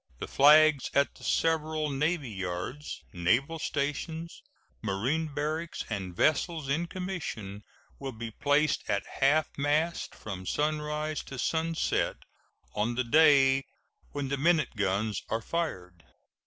The flags at the several navy yards, naval stations, marine barracks, and vessels in commission will be placed at half mast from sunrise to sunset on the day when the minute guns are fired.